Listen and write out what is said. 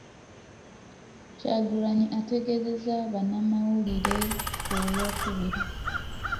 Kyagulanyi ategeezezza bannamawulire ku Lwokubiri.